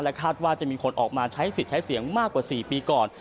คาดว่าจะมีคนออกมาใช้สิทธิ์ใช้เสียงมากกว่า๔ปีก่อน